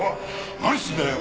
何すんだよ藪！